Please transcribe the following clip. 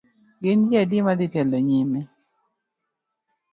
Gin ji adi madhi telo nyime?